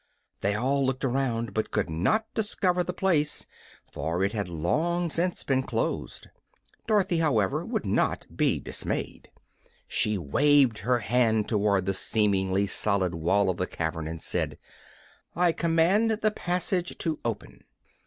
They all looked around, but could not discover the place, for it had long since been closed. Dorothy, however, would not be dismayed. She waved her hand toward the seemingly solid wall of the cavern and said: "I command the passage to open!"